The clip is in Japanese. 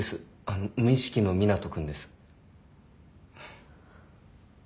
あの無意識の湊斗君です。